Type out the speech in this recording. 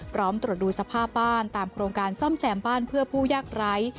พร้อมตรวจดูสภาพบ้านตามโครงการซ่อมแซมบ้านเพื่อผู้ยากไร้